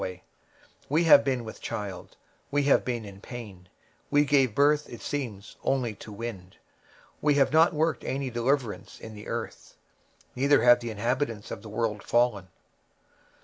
23:026:018 We have been with child, we have been in pain, we have as it were brought forth wind; we have not wrought any deliverance in the earth; neither have the inhabitants of the world fallen.